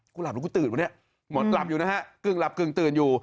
หลับหรือกูตื่นวะเนี่ยหมอหลับอยู่นะฮะกึ่งหลับกึ่งตื่นอยู่